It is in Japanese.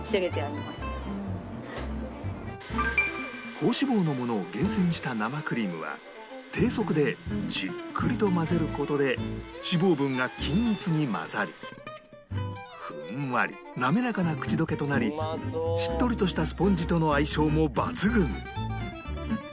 高脂肪のものを厳選した生クリームは低速でじっくりと混ぜる事で脂肪分が均一に混ざりふんわり滑らかな口溶けとなりしっとりとしたスポンジとの相性も抜群